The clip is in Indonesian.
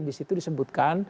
di situ disebutkan